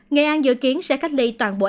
nghệ an dự kiến sẽ cách ly toàn bộ